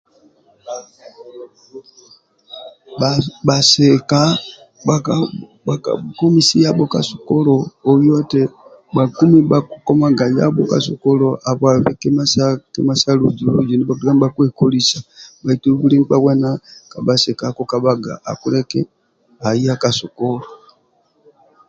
Bhasika bhakabhukomisi yabho ka sukulu oyo nti bhakumi bhakikomagq yabho ka sukulu habwa kima ndiabho sa luzu luzu ndia bhakiyaga nibhakiekolisa bhaitu buli nkpa ena akikabhaga aya ka sukulu